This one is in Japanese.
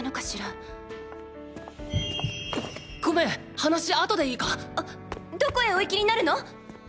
話あとでいいか⁉あ⁉どこへお行きになるの！